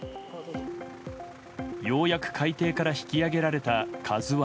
ようやく海底から引き揚げられた「ＫＡＺＵ１」。